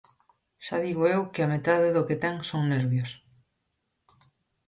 Xa digo eu que a metade do que ten son nervios...